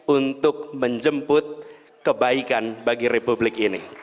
untuk menjemput kebaikan bagi republik ini